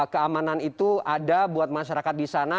keamanan itu ada buat masyarakat di sana